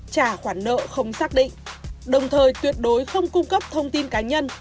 trả khoản nợ không xác định đồng thời tuyệt đối không cung cấp thông tin cá nhân